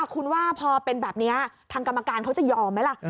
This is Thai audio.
คุณว่าพอเป็นแบบนี้ทางกรรมการเขาจะยอมไหมล่ะ